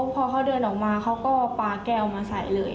พอเขาเดินออกมาเขาก็ปลาแก้วมาใส่เลย